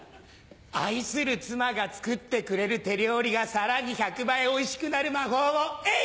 愛する妻が作ってくれる手料理がさらに１００倍おいしくなる魔法をえい！